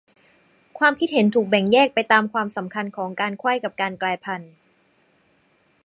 ความคิดเห็นถูกแบ่งแยกไปตามความสำคัญของการไขว้กับการกลายพันธุ์